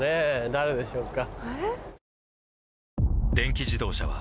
誰でしょうか。